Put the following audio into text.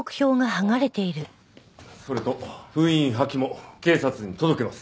ああそれと封印破棄も警察に届けます。